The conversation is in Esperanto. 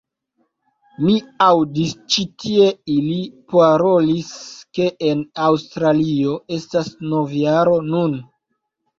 Mi aŭdis ĉi tie ili parolis ke en Aŭstralio estas novjaro nun